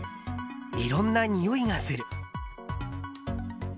いろんなにおいがする。